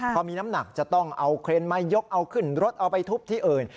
พอมีน้ำหนักจะต้องเอาเครนมายกเอาขึ้นรถเอาไปทุบที่อื่น